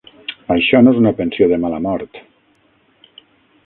Això no és una pensió de mala mort.